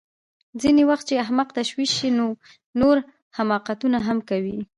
ځینې وخت چې احمق تشویق شي نو نور حماقتونه هم کوي